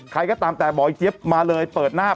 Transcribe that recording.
ใครก็ตามแต่บอกไอ้เจี๊ยบมาเลยเปิดหน้า